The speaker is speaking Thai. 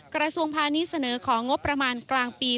กระทรวงพาณิชย์เสนอของงบประมาณกลางปี